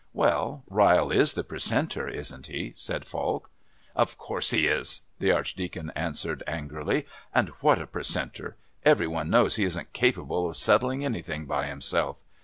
"Well, Ryle is the Precentor, isn't he?" said Falk. "Of course he is," the Archdeacon answered angrily. "And what a Precentor! Every one knows he isn't capable of settling anything by himself.